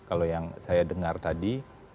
kalau yang saya dengar tadi